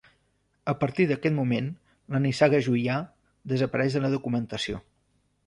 A partir d'aquest moment la nissaga Juià desapareix de la documentació.